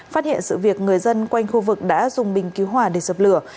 phát hiện sự việc người dân quanh khu vực đã dùng bình cứu hỏa để dập lửa